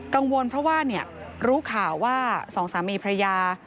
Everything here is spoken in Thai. กังวลเพราะว่ารู้ข่าวว่าสองสามีพระยา